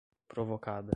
provocada